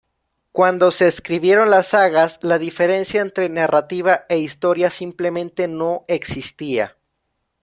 Cuando se escribieron las sagas, la diferencia entre narrativa e historia simplemente no existía.